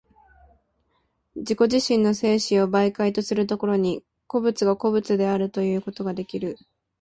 自己自身の生死を媒介とする所に、個物が個物であるということができる。